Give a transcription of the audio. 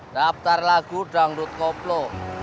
daftar lagu dangdut koplo